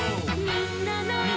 「みんなの」